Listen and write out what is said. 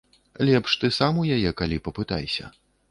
Лепш ты сам у яе калі папытайся.